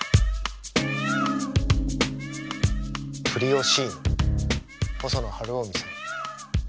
「プリオシーヌ」細野晴臣さん。